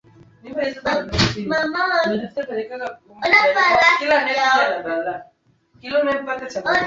lakini imekuwa mstari wa mbele katika swala zima